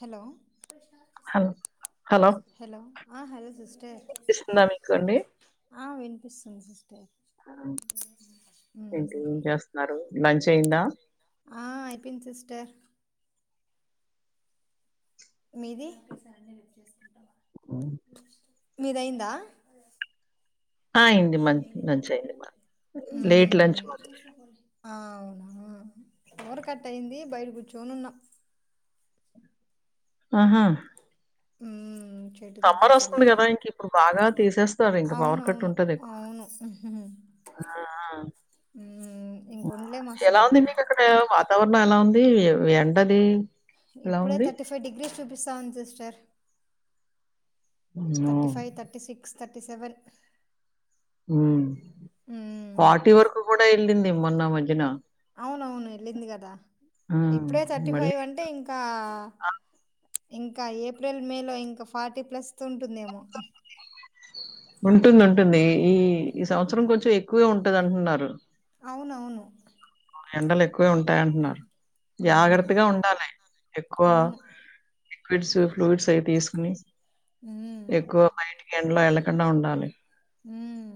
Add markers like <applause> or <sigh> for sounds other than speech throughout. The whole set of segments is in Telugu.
హలో హలో హలో ఆ హలో సిస్ర్ స్తుందా మీకుండి ది సిస్టర్ ఆ ఎంటి ఏం చేస్తున్నారు లంచ్ అయిందా ఆ అయిపోంది సిస్టర్ మీది మ్ మీదయిందా ఆ అయింది మంచి లంచ్ అయింది లేట్ మ్ లంచ్ మాది ఆ ఆ అవునా పవర్ కట్ అయింది బయట కూర్చోని ఉన్నా ఆహా హుమ్ సమ్మర్ వస్తుంది కదా ఇంక ఇప్పుడు బాగా తీసేస్తారీ ఇంకా పవర్ కట్ అవునవును ఉంటది ఎక్కువ అవును ఆ మ్మ్ ఇంకొండలేం ఆ ఎలా అసలు ఉంది మీకు అక్కడ వాతావరణం ఎలా ఉం ది ఎండది ఎలా ఇప్పుడే ఉంది తర్టీ ఫై డిగ్రీ చూ స్తా ఉంది sister thirty five thirty six thirty seven హు హు మొన్న మధ్యన అవునవును వెళ్ళింది కదా ఆ, ఇప్పుడే థర్టీ మళ్ళీ ఫైవ్ అంటే ఇంకా ఇంకా ఏప్రిల్ మే లో ఇంకా ఫార్టీ ప్లస్ ఉంటుందేమో ఉంటుంది ఉంటుంది ఈ ఈ సంవత్సరం కొంచెం ఎక్కువే ఉంటది అంటున్నారు అవునవును ఎండలు ఎక్కువే ఉంటాయంటున్నారు ఉమ్ జాగ్రత్తగా ఉండాలి ఎక్కువ అవును లిక్విడ్స్ ఫ్రూట్స్ అయి తీస్ కొని ఉమ్ ఎక్కువ బయటి కేండ్లో ఏళ్ల కన్ కుండా ఉండాలి హు మ్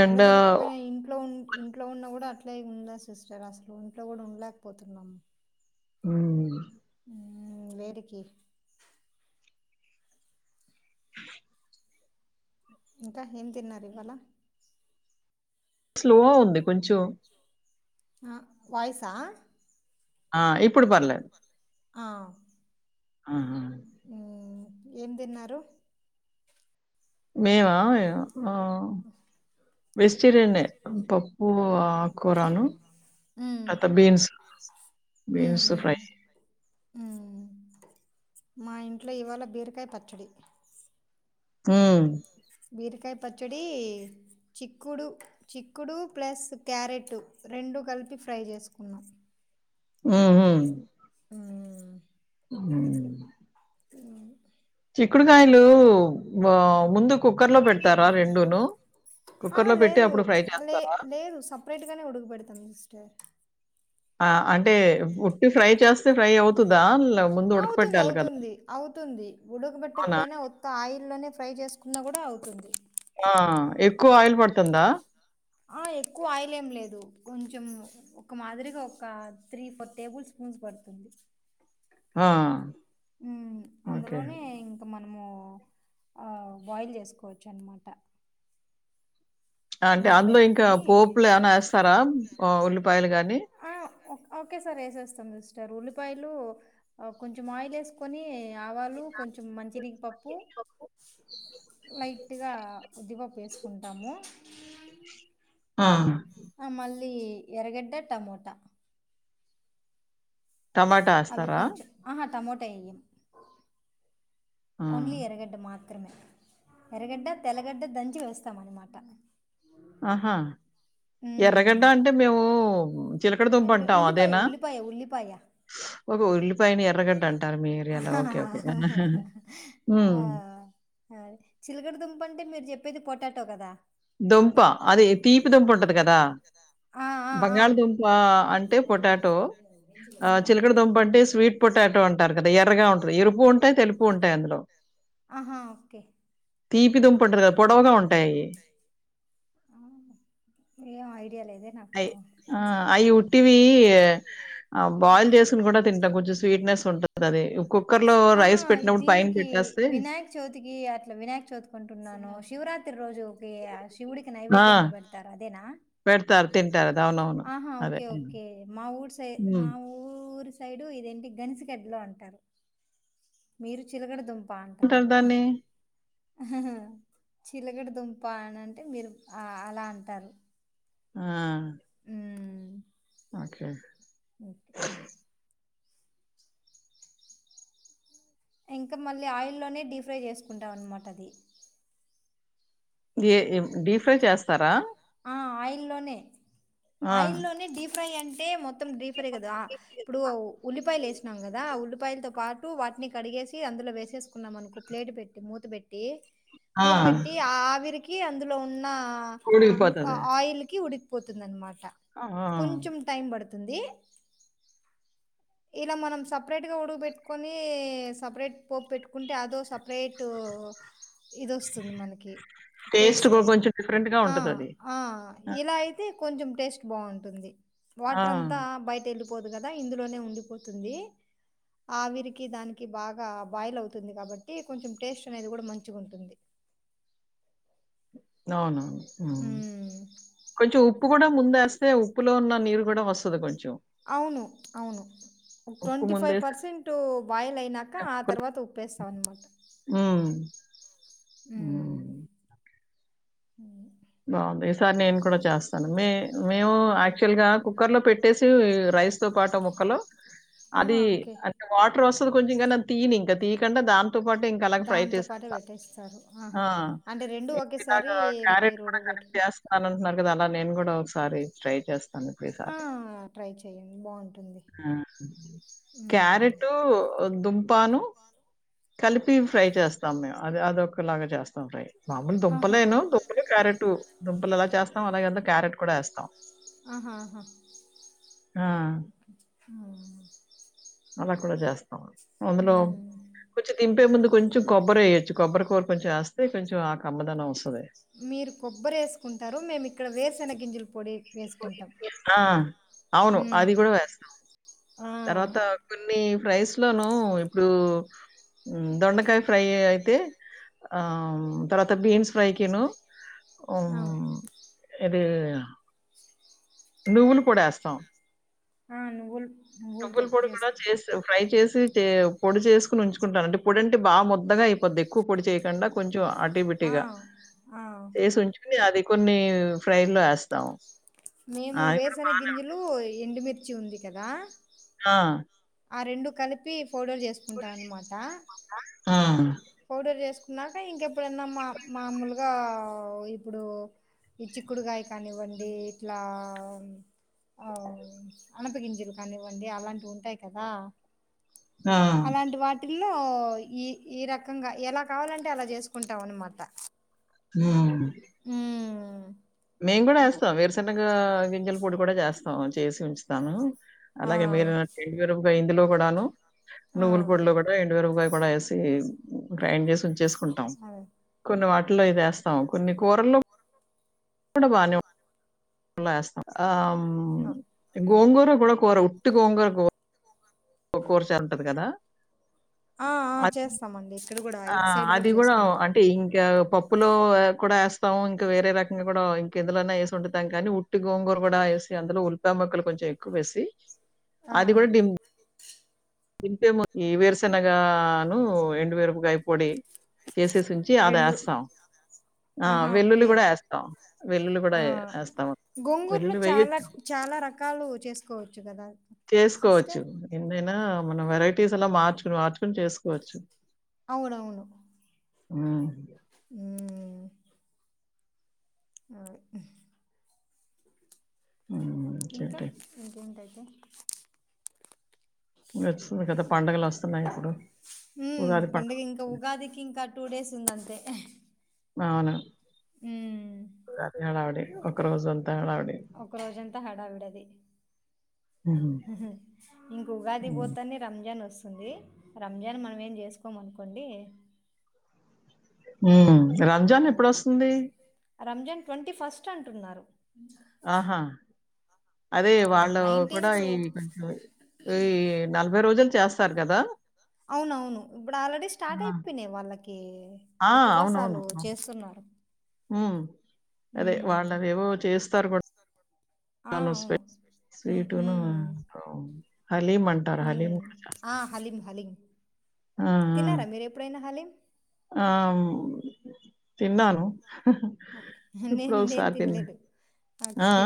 ఎండలో ఎండ దిరక్కపోయినా ఇంట్లో ఉన్ ఇంట్లో ఉన్న కూడా అట్ ఇట్లా ఉండా సిస్టర్ అసలు ఇంట్లో కూడా ఉండలేకపోతున్నాము హు మ్ హు వేడికి ఇంక ఏం తిన్నారు ఇవాళ స్లో ఉంది కొంచెం ఆ వాయిస్స ఆ ఇప్పుడు పర్లేదు ఆ ఆహా ఉహ్ ఏం తిన్నారు మీవా ఆ ఆ వెజిటేరియన్నే పప్పు ఆకుకరాను ఉమ్ తర్వాత బీన్సు ఉమ్ బీన్స్ ఉమ్ ఫ్రై ఉమ్ మా ఇంట్లో ఇవాళ బీరకాయ పచ్చడి ఉమ్ బీరకాయ పచ్చడి చిక్కుడు చిక్కుడు ప్లస్ క్యారెట్టు రెండు కలిపి ఫ్రై చేసుకున్నాం. ఉమ్ ఉమ్ హమ్ అ చిక్కుడుకాయలు వావ్ ముందు కుక్కర్ లో పెడతారా రెండూను కుక్కర్ ఆహా లో పెట్టి లేదు అప్పుడు ఫ్రై లే చేస్తారా? లేదు సపరేట్గానే ఉడకబెడతాం సిస్టర్ ఆ అంట ల ముందు అవుతుంది ఉడకపెట్టాలి కదా! అవుతుంది అవుతుంది అవునా? ఉడకబెట్టకపోయినా ఉత్త ఆయిల్ల్లోనే ఫ్రై చేసుకున్నా కూడా అవుతుంది ఆ! ఎక్కువ ఆయిల్ పడుతుందా? ఆ ఎక్కువ ఆయిల్ ఏం లేదు కొంచెం ఒక మాదిరిగా ఒక త్రీ ఫోర్ టేబుల్ స్పూన్స్ పడుతుంది. హా ఉమ్ అందులోనే ఇంక మనం మే ఆ బాయిల్ చేసుకోవచ్చు అనమాట అంటే మూత అందులో ఇంకా పెట్టుకొని పోపులు ఏమైనా ఏస్తారా? ఆహ్, ఉల్లిపాయలు గాని? ఆ ఓకె సారి వేసేస్తాం సిస్టర్ రూపాయలు కొంచెం ఆయిల్ ఏసుకొని ఆవాలు కొంచెం మంచినిగ్ పప్పు లైక్ గట్టిగా ఉది పప్పు వేసుకుంటాము హా ఆ మళ్ళీ ఎరగడ్డ, టమోటా టమాటా అవి ఏస్తారా? కొంచెం ఆహా టమోట తయ్ ఆ! ఓన్లీ ఎర్రగడ్డ మాత్రం ఎరగడ్డ తెల్లగడ్డ దంచి వేస్తాం అనమాట ఆహా హ్మ్ ఎర్రగడ్డా అంటే మేము చిలకడ దుంప ఎరగ అంటాం ఉల్లిపాయ అదేనా? ఉల్లిపాయ ఉల్లిపాయ ఓకే. ఉల్లిపాయని ఎర్రగడ్డ అంటారు మీ ఏరియాలో. ఓకే. ఓకే. ఆ హ్మ్. చిలకడ దుంప అంటే మీరు చెప్పేది పొటాటో టవ్ కదా దుంప అదే తీపి దుంప ఉంటది కదా ఆ ఆ ఆ ఆ! బంగాళదుంప అంటే పొటాటో ఆ చిలకడ దంప అంటే స్వీట్ పొటాటో అంటారు కదా ఎర్రగా ఉంటుంది ఎరుపు ఉంటాయి తెలుపు ఉంటాయి అందులో ఆహా! ఓకే. తీపి దుంప ఉంటది కదా పొడవుగా ఉంటాయి ఏం ఐడియా లేదు అయి ఆ! అయి ఉట్టివి ఆహ్, బాయిల్ చేసుకొని కూడా తింటాం. కొంచెం స్వీట్‌నెస్ ఉంటదది. కుక్కర్‌లో హా హా రైస్ పెట్టినప్పుడు పైన దీనికి పెట్టేస్తే వినాయక చవితికి అట్లా వినాయక్ చవితికుంటున్నాను శివరాత్రి రోజు ఒకే యాక్షన్ శివునికి ఆ! నైవేద్యం గా పెడతారు అదేనా పెడతారు. తింటారు అది. అవునవును. హహ అదే. ఓకే హ్మ్. ఒకే మా ఉరి సై హ్మ్. మా ఉరి సైడ్ సైడు ఇదేంటి గన్సిగడ్డ లు అంటారు మీరు చిలగడదుం బా ఏమంటారు అంటున్నారు దాన్ని? చిలగడదుంప అనంటే మీరు ఆ అలా అంటారు ఆ మ్మ్ ఓకే ఓకే ఇంక మళ్ళీ ఆయిల్లోనే డీ ఫ్రై చేసుకుంటా వన్మాటది ఏ ఏం డీప్ ఫ్రై చేస్తారా ఆ ఆయిల్లోనే ఆ! ఆయిల్ లోనే డీఫ్ త్రయంటే మొత్ మొత్తం డీప్ ఫ్రై గదా ఇప్పుడు ఉల్లిపాయలు ఏస్నాం గదా ఆ ఉల్లిపాయ్లతో పాటు టు వాటిని కడిగేసి అందులో వేసేసుకున్నాం అనుకో ప్లేట్ పెట్టి మూత పెట్టి ఆ! మూత బెట్టి ఆ ఆవిరికి కి అందులో ఉన్న ఆ ఆ ఉడికిపోతది. ఆయిల్కి ఉడికిపోతుందన్మాట్ ఆ! కొంచుం టైమ్ బడద్ తుంది ఇలా మనం సపరేట్ గా ఉడగు బెట్టుకోని, సెపరేట్ పోప్ పెట్టుకుంటే అదో సపరేట్ ఇదొస్తుంది మనకి టేస్ట్ కూడా కొంచెం డిఫరెంట్‌గా ఆ ఉంటదది. ఆ ఆ! ఇలా అయితే కొంచెం టేస్ట్ బాగుంటుంది ఆ! వాట్రంతా బయటెలు పోదు గదా ఇందులోనే ఉండిపోతుంది, ఆవిరికి దానికి బాగా బాయిల్ అవుతుంది కాబట్టి కొంచెం టేస్ట్ అనేది కూడా మంచిగుంటుంది. అవును మ్మ్ కూడా ముందేస్తే ఉప్పులో ఉన్న నీరు గూడా వస్తుంది కొం అవును అవును ఉప్పు ట్వంటీ ఫైవ్ ముందేసేస్తే పర్సెంటు బాయిల్ అయినాక ఆ ముక్కలు తర్వాత ఉప్పేస్తాం అన్నమాట. హ్మ్. హ్మ్. ఉ బాగుంది ఈసారి నేను కూడా చేస్తాను మే మేము యాక్చువల్ గా కుక్కర్ లో పెట్ రైస్ తో పాటు ముక్కలు ఆహా అది ఓకే అది వాటర్ వస్తది కొంచెం గానీ అది తీయనింక తీ డండదాన్ దాంతో పాటే పెట్టేస్తారు ఆ! ఆహా అంటే రెండు ఒకేసారి మీరు కనెక్ట్ ఉడకబెట్టుకు చేస్తాన అంటున్నారు అలా నేను కూడా ఒకసారి ట్రై చేస్ అందుకే ఈ ఆ సారి ట్రై చేయండి బాగుంటుంది ఆ ఉమ్ క్యారెట్ దుంపను కలిపి ఫ్రై చేస్తాం మేము అది అదొక్కలాగా చేస్ స్తం ఫ్రై మామూలు ఆహా దుంపులేను దంపులు క్యారెట్ దుంపలు ఎలా చేస్తాం అలాగేంతా క్యారెట్ కూడా ఎస్తాం ఆహా ఆహా ఆ! అలా కూడా చేస్తాం అందులో ఉమ్ కొంచెం దింపే ముందు కొంచెం కొబ్బరి వేయొచ్చు కొబ్బరి కూర కొంచెం వస్తే కొంచం ఆ కమ్మదనం వస్తుంది మీరు కొబ్బరి వేసుకుంటారు మేము ఇక్కడ వేసన గింజల పొడి వేసుకుంటాం ఆ అవును అది ఉమ్ కూడా వేస్తాం ఆ తర్వాత కొన్ని ఫ్రైస్లోను ఇప్పుడు దొండకాయ ఫ్రై అయితే తర్వాత బీన్స్ ఫ్రైకిను ఆఓ అవును అది నువ్వులు పోడి ఎస్తాం ఆ నువుల్ పప్పుల పొడి కూడా చేస్త ఫ్రై చేస్ సీ పొడి చేసుకుని ఉంచుకుంటాను అంటే పొడింటే బాగా ముొద్దగా అయిపోతుద్ది ఎక్కువ పొడి చేయకుండా కొంచె ఆటీ ఆ బిటిగా ఆ ఎసీ ఉంచకోని ఆది కొన్ని ఫ్రై లో ఎస్తాం మేము వేరుసన గింజలు ఎండు మిర్ ర్చి ఉంది కదా ఆ ఆ రెండు కలిపి పౌడర్ చేసుకుంటాం అన్నమాట ఆ! పౌడర్ చేసుకున్నాక ఇంకెప్పుడైనా మా మామూలుగా ఇప్పుడు ఈ చిక్కుడుకాయ కానివ్వండి ఇట్లా అనపగింజలు కానివ్వండి అలాంటివి ఉంటాయి కదా ఆ! అలాంటి వాటిలో ట్లా ఈ ఇరా ఇంగా ఎలా కావాలంటే అలా చేసుకుంటాం అనమాట మ్ మ్ మేం కూడా ఎస్తాం వేరుసెన గి గింజల పొడి కూడా చేస్తాం చేసి ఉంచుతాను ఆ అలాగే మీరు <unintelligible> వే ఇందులో కూడాను ఆ నువ్వుల్ పొడిలో పెట్టే ఎండ్ మిరపకాయ్ కూడా ఏసీ గ్రైండ్ చేసి ఉంచెస్క్ కుంటాం అదే కొన్ని వాటిలో ఇది యా స్త్ ఆ కొన్ని కూరల్లో కూడా బానే ల్లో యాస్తాం అ ఆ గోంగూర కూడా కూర ఉట్టీ గోంగూర కూర కూర చాల్ ఉంటది కదా ఆ ఆ అది చేస్తామండి ఇక్కడ కూడా ఇటు సైడ్ అది కూడా చేసుకుంటాం అంటే ఇంకా పప్పులో కూడా యాస్తాము ఇంకా వేరే రకంగా కూడా ఇంక ఎందులోన్నా ఏసి ఒండుతాం కానీ ఉట్టి గోంగూర కూడా ఏసి అందులో ఉల్పాయ ముక్కలు కొంచెం ఎక్కువేసి ఆ అది కూడా డిమ్ ఇంతేమో ఈ వేరుశెనగా అను ఎండు మిరపకాయ పొడి చేసేసుంచి అది రెండు యాస్తాం ఆ ఆహా వెల్లుల్లి ఓకే కూడ యాస్తాం వెల్లులి కూడా ఆ యాస్తాం గోంగూరులో వెల్లులి చాలా వేయ్యెచ్చు చాలా రకాలు చేసుకోవచ్చు కదా చేసుకోవచ్చు సిస్టర్ ఎన్ని అయిన ఆ మనం వెరైటీస్ ఎలా మార్చుకుని మార్చుకుని చేసుకోవచ్చు అవును అవును మ్ మ్ ఆ హ్మ్. ఇంకా ఇంకేంటి? ఇంకుంటయ్ దే వచ్చింది కదా పండగలు వస్తున్నాయి ఇప్పుడు మ్మ్ ఉగాది పండగ పండుగ తే ఏ భవును ళ నడవడి <inaudible> ఒక రోజున్ ఒక రోజంతా హడావిడ అది హ్మ్. ఉహుమ్ ఇంకో ఉగాది హ్మ్. పోతంది రంజాన్ వస్తు వుంది రంజాన్ మనం ఏం చేసుకోమ్ అనుకోండి హమ్ రంజాన్ ఎప్పుడొస్తుంది రంజాన్ ట్వంటీ ఫస్ట్ అంటున్నారు ఆహా అదే ఆ వాళ్ళు కూడా నైన్టీన్త్ ఈ కంట్లో ఈ నలభై రోజుల్ చేస్తారు కదా అవును అవును ఇప్పుడు ఆల్రెడీ స్టార్ట్ ఆ! అయిపోయినాయి వాళ్ళకి కే ఆ! ఉపవాసాలు చేస్తున్నారు హమ్ అదే ఉమ్ వాళ్ళదేవో చేస్తారు కూడా స్ ఆ <unintelligible> అవును ఉమ్ స్వీటు ను ఉమ్ <unintelligible> హలీం అంటారు హలీం ఉమ్ కూడా ఆ చేస్తారు హలీం హలీం ఆ, ఆ. తిన్నారా మీరు ఎప్పుడైనా హాలీం ఆ తిన్నాను ఓకే ఎప్పుడో ఒకసారి తిన్నా ఆ, ఓకె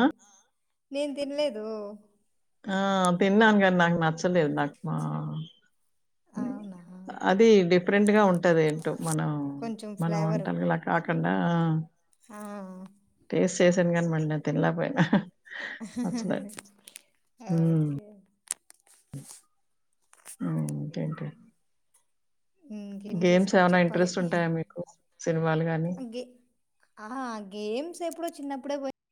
నేను తినలేదు ఆ తిన్నా కానీ నచ్చలేదు నాక్ అవునా ఫరెంట్ గా ఉంట్ టది ఏంటో మనం కొంచెం మనం ఫ్లేవరు వంటంలా కాకుండా ఆ ఆ చేశాను కానీ మల్లి నేను తినలేక పోయినా హా హా ఉమ్, ఓకే హ్మ్ ఇంకేంటి మ్మ్ ఇంగేం గేమ్స్ సిస్టర్ ఏమైనా చెప్పాలి ఇంట్రెస్ట్ ఉంటాయా మీకు సినిమాలు కానీ గ ఆ గేమ్స్ ఎప్పుడు చిన్నప్పుడే పోయింది